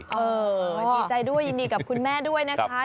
ดีใจด้วยยินดีกับคุณแม่ด้วยนะคะ